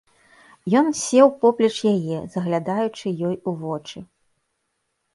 Ён сеў поплеч яе, заглядаючы ёй у вочы.